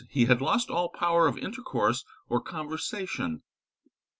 He had lost all power of intercourse or conversation.